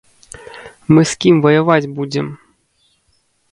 Мы з кім ваяваць будзем?